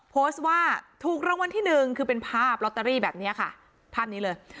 โพสต์ว่าถูกรางวัลที่หนึ่งคือเป็นภาพลอตเตอรี่แบบนี้ค่ะภาพนี้เลย